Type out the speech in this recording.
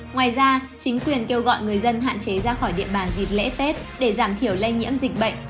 ngoài ra chính quyền kêu gọi người dân hạn chế ra khỏi địa bàn dịp lễ tết để giảm thiểu lây nhiễm dịch bệnh